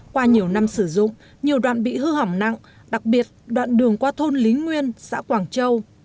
qua nhiều năm sử dụng nhiều đoạn bị hư hỏng nặng đặc biệt đoạn đường qua thôn lý nguyên xã quảng châu